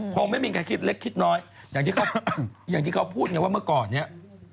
คงไม่มีใครคิดเล็กคิดน้อยอย่างที่เขาพูดเมื่อก่อนเนี่ย